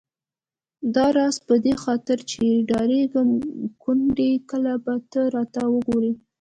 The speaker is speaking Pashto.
داراز په دې خاطر چې ډارېدم ګوندې کله به ته راته وګورې.